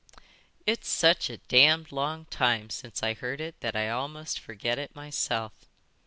"It's such a damned long time since I heard it that I almost forget it myself.